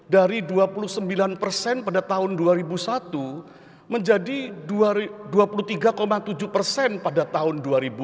dari dua puluh sembilan persen pada tahun dua ribu satu menjadi dua puluh tiga tujuh persen pada tahun dua ribu dua puluh